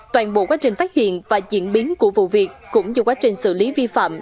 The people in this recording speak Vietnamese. toàn bộ quá trình phát hiện và diễn biến của vụ việc cũng như quá trình xử lý vi phạm